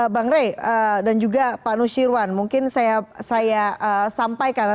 bang rey dan juga pak nusirwan mungkin saya sampaikan